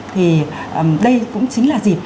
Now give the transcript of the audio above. thì đây cũng chính là dịp